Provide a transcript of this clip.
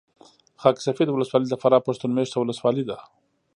خاک سفید ولسوالي د فراه پښتون مېشته ولسوالي ده